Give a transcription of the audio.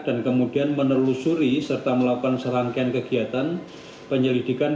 dan kemudian menelusuri serta melakukan serangkaian kegiatan penyelidikan